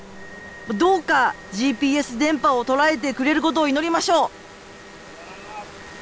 どうかＧＰＳ電波を捉えてくれることを祈りましょう。